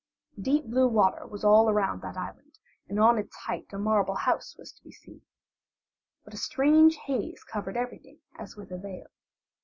Deep blue water was all around that island, and on its height a marble house was to be seen. But a strange haze covered everything as with a veil.